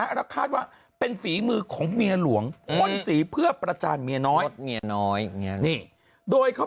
แล้วคาดว่าเป็นฝีมือของเมียหลวงพ่นสีเพื่อประจานเมียน้อยเมียน้อยโดยเขา